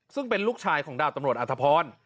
ซึ่งเป็นลูกชายของดาบตำรวจอธพร